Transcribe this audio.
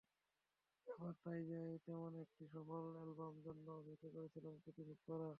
এবারও তাই তেমন একটি সফল অ্যালবামের জন্য অপেক্ষা করছিলেন কেটির ভক্তরা।